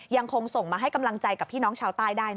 ยังคงส่งมาให้กำลังใจกับพี่น้องชาวใต้ได้